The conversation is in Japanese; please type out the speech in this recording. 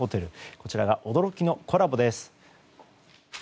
こちらが驚きのコラボです。